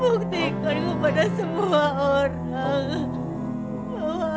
buktikan kepada semua orang